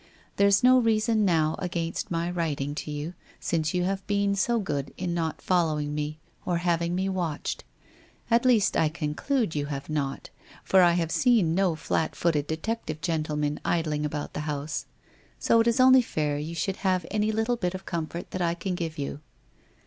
There's no reason now against my writing to you, since you have been so good in not following me, or having me watched. At least, I conclude you have not, for I have seen no flat footed detective gentleman idling about the house. So it is only fair you should have any little bit of comfort that I can give you.